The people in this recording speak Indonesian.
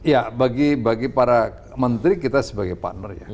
ya bagi para menteri kita sebagai partner ya